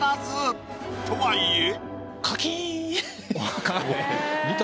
とはいえ。